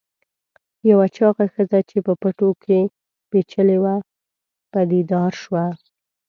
یوه چاغه ښځه چې په پټو کې پیچلې وه پدیدار شوه.